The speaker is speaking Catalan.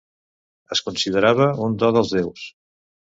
Es considerava un do dels déus.